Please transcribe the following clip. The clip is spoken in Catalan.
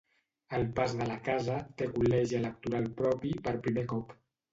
El Pas de la Casa té col·legi electoral propi per primer cop.